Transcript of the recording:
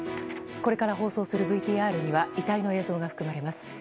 これから放送するＶＴＲには遺体の映像が含まれます。